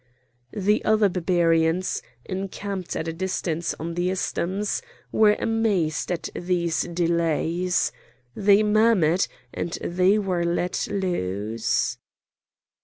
The other Barbarians, encamped at a distance on the isthmus, were amazed at these delays; they murmured, and they were let loose.